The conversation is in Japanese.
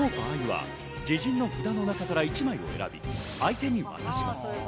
その場合は自陣の札の中から１枚を選び、相手に渡します。